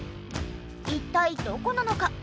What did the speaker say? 一体どこなのか？